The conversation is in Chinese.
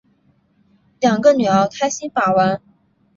两个女儿开心把玩